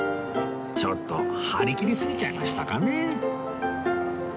ちょっと張り切りすぎちゃいましたかね